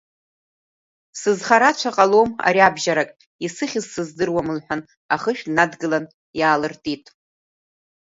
Сызхара ацәара ҟалом ари абжьарак, исыхьыз сыздыруам, — лҳәан, ахышә днадгылан иаалыртит.